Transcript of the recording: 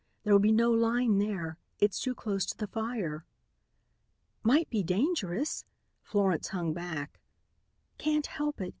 There'll be no line there; it's too close to the fire." "Might be dangerous," Florence hung back. "Can't help it.